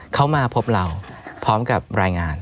เขามาพบเราพร้อมกับรายงาน